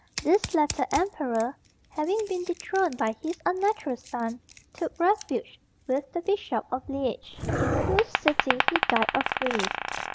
This latter emperor, having been dethroned by his unnatural son, took refuge with the Bishop of Liege, in whose city he died of grief.